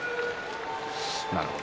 なるほど。